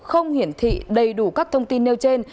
không hiển thị đầy đủ các thông tin nêu trên